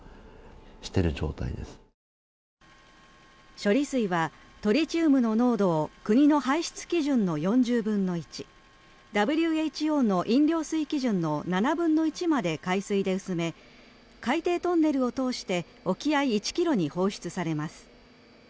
処理水はトリチウムの濃度を国の排出基準の４０分の１ＷＨＯの飲料水基準の７分の１まで海水で薄め海底トンネルを通して沖合１ｋｍに放出されます。